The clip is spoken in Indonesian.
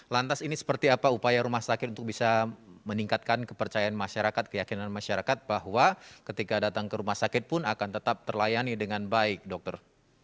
lantas ini seperti apa upaya rumah sakit untuk bisa meningkatkan kepercayaan masyarakat keyakinan masyarakat bahwa ketika datang ke rumah sakit pun akan tetap terlayani dengan baik dokter